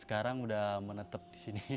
sekarang sudah menetap di sini